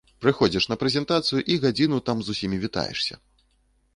Прыходзіш на прэзентацыю і гадзіну там з усімі вітаешся.